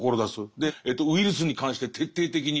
でウイルスに関して徹底的に。